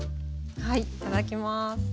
はいいただきます！